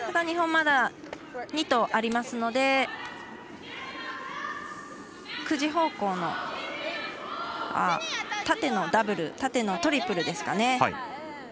日本まだ２投ありますので９時方向の縦のトリプルですかね。